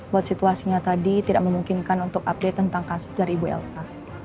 buat situasinya tadi tidak memungkinkan untuk update tentang kasus dari ibu elsa